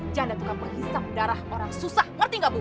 janda tukang pengisap darah orang susah ngerti gak bu